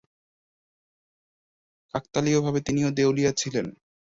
কাকতালীয়ভাবে তিনিও দেউলিয়া ছিলেন।